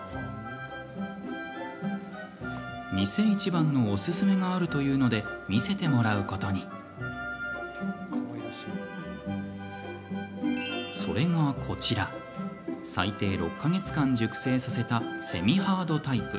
店いちばんのおすすめがあるというので見せてもらうことにこちら、最低６か月間熟成させたセミハードタイプ。